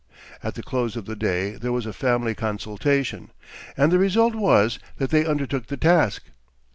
At the close of the day there was a family consultation, and the result was that they undertook the task.